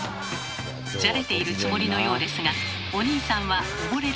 じゃれているつもりのようですがおにいさんは溺れる寸前です。